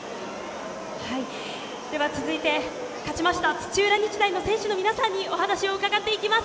続いて、勝ちました土浦日大の選手の皆さんにお話を伺っていきます。